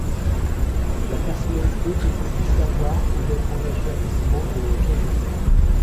La personnalité est obligée d'avoir ou d'être engagé activement dans le hockey junior.